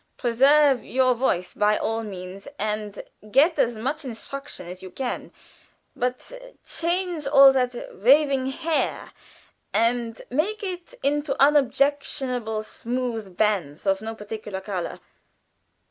"Preserve your voice, by all means, and get as much instruction as you can; but change all that waving hair, and make it into unobjectionable smooth bands of no particular color.